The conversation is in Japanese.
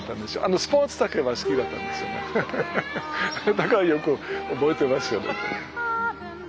だからよく覚えてますよ。